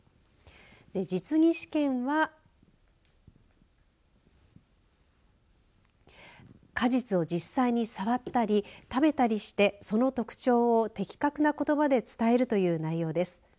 実技試験は果実を実際に触ったり食べたりして、その特徴を的確なことばで伝えるという内容です。